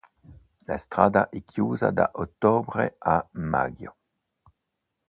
La strada è chiusa da ottobre a maggio.